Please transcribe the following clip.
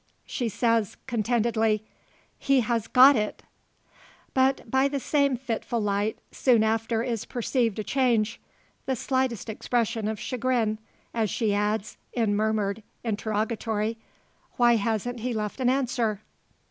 She says, contentedly: "He has got it!" But by the same fitful light, soon after is perceived a change the slightest expression of chagrin, as she adds, in murmured interrogatory, "Why hasn't he left an answer?"